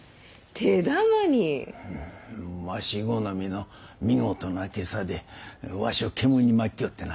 わし好みの見事な袈裟でわしを煙にまきよってな。